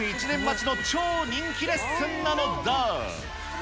１年待ちの超人気レッスンなのだ。